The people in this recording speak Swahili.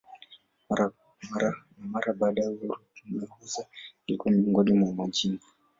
Na mara baada ya uhuru Muheza ilikuwa miongoni mwa majimbo.